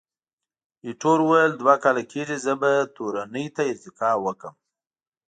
ایټور وویل، دوه کاله کېږي، زه به تورنۍ ته ارتقا وکړم.